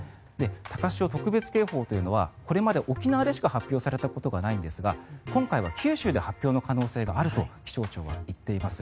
高潮特別警報というのはこれまで沖縄でしか発表されたことがないんですが今回は九州で発表の可能性があると気象庁は言っています。